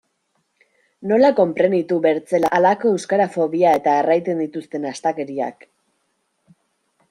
Nola konprenitu bertzela halako euskarafobia eta erraiten dituzten astakeriak?